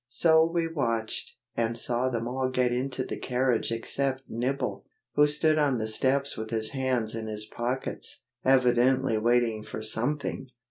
So we watched, and saw them all get into the carriage except Nibble, who stood on the steps with his hands in his pockets, evidently waiting for something.